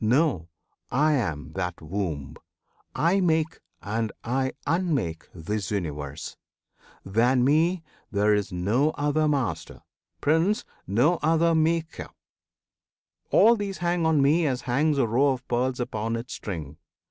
Know! I am that womb: I make and I unmake this Universe: Than me there is no other Master, Prince! No other Maker! All these hang on me As hangs a row of pearls upon its string.